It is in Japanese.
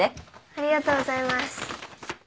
ありがとうございます。